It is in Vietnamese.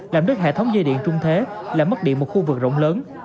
làm đứt hệ thống dây điện trung thế làm mất điện một khu vực rộng lớn